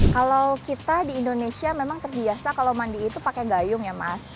kalau kita di indonesia memang terbiasa kalau mandi itu pakai gayung ya mas